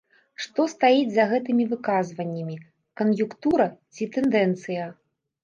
Што стаіць за гэтымі выказванням, кан'юнктура ці тэндэнцыя?